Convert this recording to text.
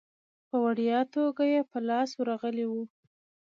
په وړیا توګه یې په لاس ورغلی وو.